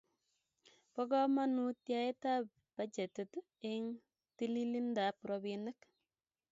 Bo kamanut yaetab bajetit eng telilindab robinik